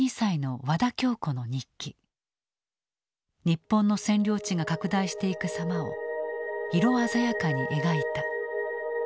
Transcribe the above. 日本の占領地が拡大していく様を色鮮やかに描いた。